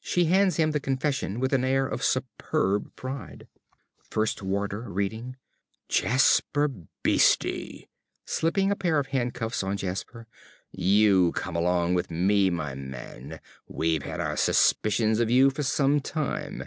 (She hands him the confession with an air of superb pride.) ~First Warder~ (reading). Jasper Beeste! (Slipping a pair of handcuffs on Jasper.) You come along with me, my man. We've had our suspicions of you for some time.